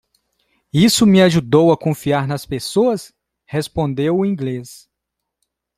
"Isso me ajudou a confiar nas pessoas?", respondeu o inglês.